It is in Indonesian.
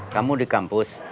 kamu di kampus